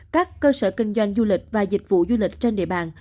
các cơ sở kinh doanh du lịch và dịch vụ du lịch trên địa bàn